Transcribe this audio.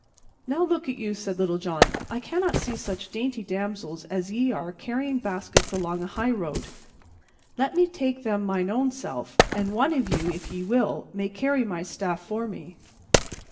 "Now, look you," said Little John, "I cannot see such dainty damsels as ye are carrying baskets along a highroad. Let me take them mine own self, and one of you, if ye will, may carry my staff for me."